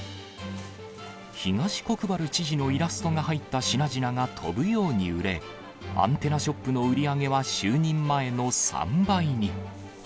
東国原知事のイラストが入った品々が飛ぶように売れ、アンテナショップの売り上げは就任前の３倍に。